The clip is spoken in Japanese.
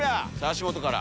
足元から。